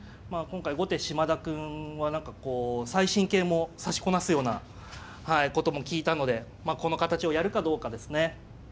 今回後手嶋田くんは何かこう最新型も指しこなすようなことも聞いたのでこの形をやるかどうかですね。